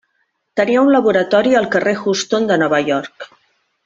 Tenia un laboratori al carrer Houston de Nova York.